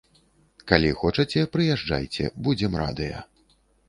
Калі хочаце, прыязджайце, будзем радыя.